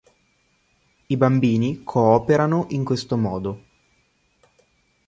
I bambini cooperano in questo modo.